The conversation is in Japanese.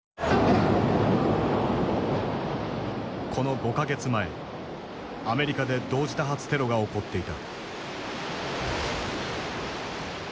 この５か月前アメリカで同時多発テロが起こっていた。